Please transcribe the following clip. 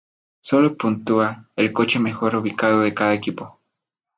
Solo puntúa el coche mejor ubicado de cada equipo.